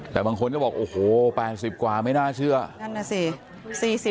แต่บางคนก็บอกโอ้โห๘๐กว่าไม่น่าเชื่อนั่นน่ะสิ